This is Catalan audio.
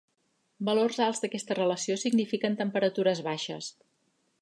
Valors alts d'aquesta relació signifiquen temperatures baixes.